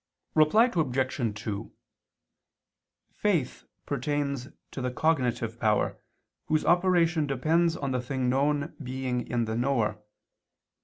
Reply Obj. 2: Faith pertains to the cognitive power, whose operation depends on the thing known being in the knower.